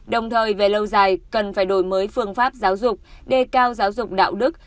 đồng thời về lâu dài cần phải đổi mới phương pháp giáo dục đề cao giáo dục đạo đức